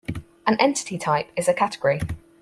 An entity-type is a category.